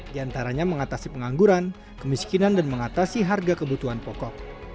di antaranya mengatasi pengangguran kemiskinan dan mengatasi harga kebutuhan pokok